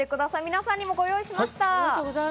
皆さんにもご用意しました。